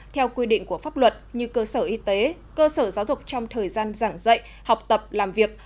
theo quy định của pháp luật như cơ sở y tế cơ sở giáo dục trong thời gian giảng dạy học tập làm việc